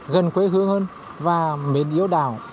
gần quê hương hơn và miền yếu đảo